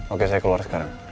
oke saya keluar sekarang